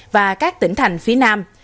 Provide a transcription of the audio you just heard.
và các tỉnh thành phía nam